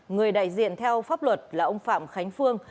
người đại diện theo pháp luật là ông phạm khánh phương